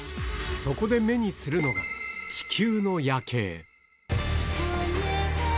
そこで目にするのが地球の夜景。